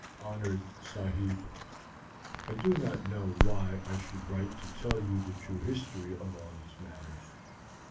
"HONORED SAHIB: "I do not know why I should write to tell you the true history of all these matters.